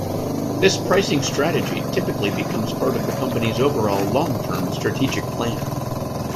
This pricing strategy typically becomes part of the company's overall long -term strategic plan.